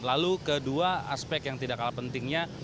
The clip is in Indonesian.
lalu kedua aspek yang tidak kalah pentingnya